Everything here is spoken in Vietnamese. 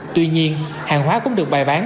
tuy nhiên hàng hóa cũng được bài bán